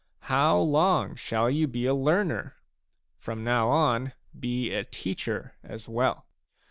How long shall you be a learner ? From now on be a teacher as well